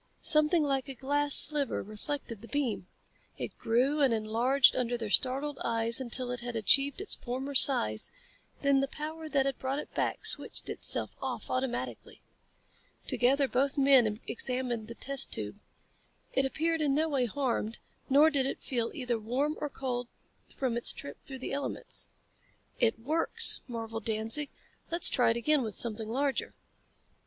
Something like a glass sliver reflected the beam. It grew and enlarged under their startled eyes until it had achieved its former size, then the power that had brought it back switched itself off automatically. Together both men examined the test tube. It appeared in no way harmed, nor did it feel either warm or cold from its trip through the elements. "It works!" marveled Danzig. "Let's try it again with something larger."